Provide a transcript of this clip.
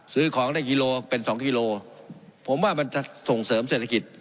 ซื้อของได้กิโลเป็นสองกิโลผมว่ามันจะส่งเสริมเศรษฐกิจ